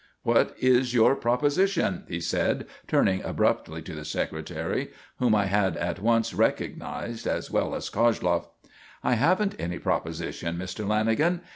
"What is your 'proposition?'" he said, turning abruptly to the Secretary, whom I had at once recognised as well as Koshloff. "I haven't any 'proposition,' Mr. Lanagan.